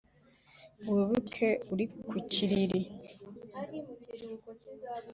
Wibuke uri ku kiriri.